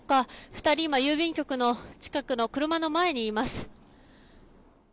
２人、今、郵便局の近くの車の前にいます。